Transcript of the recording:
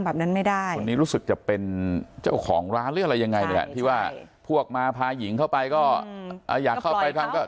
อันนี้รู้สึกจะเป็นเจ้าของร้านหรืออะไรยังไงเลยพวกมาพาหญิงเข้าไปก็